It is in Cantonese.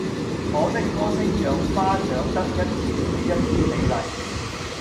我的歌聲讓花長得一天比一天美麗